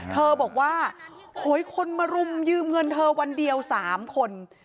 เธอบอกว่าโหยคนมารุมยืมเงินเธอวันเดียว๓คน